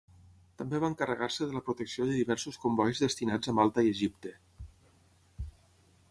També va encarregar-se de la protecció de diversos combois destinats a Malta i Egipte.